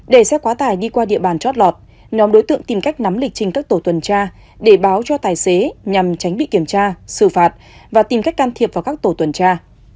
để xe quá tải đi qua địa bàn chót lọt nhóm đối tượng tìm cách nắm lịch trình các tổ tuần tra để báo cho tài xế nhằm tránh bị kiểm tra xử phạt và tìm cách can thiệp vào các tổ tuần tra